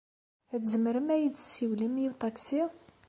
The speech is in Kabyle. Tzemrem ad yi-tessiwlem i uṭaksi?